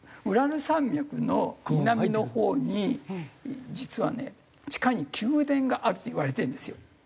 ウラル山脈の南のほうに実はね地下に宮殿があるといわれてるんですよ。